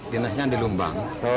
dinasnya di lumbang